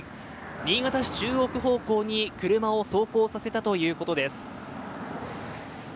新潟市中央区方向に車を走行させたということです。